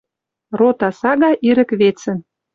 Рота сага ирӹк вецӹн